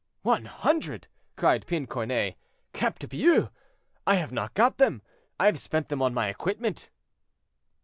"One hundred!" cried Pincornay; "Cap de Bious! I have not got them; I have spent them on my equipment."